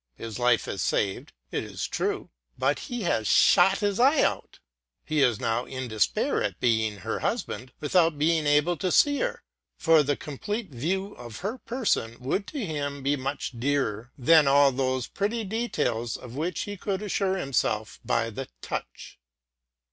His life is saved, it is true; but he has shot his eyes out. He is now in despair at being her husband, without being able to see her; for the complete view of her person would to him be much dearer than all those pretty details of which he could assure himself by the touch.